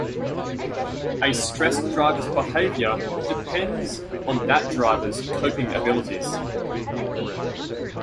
A stressed driver's behavior depends on that driver's coping abilities.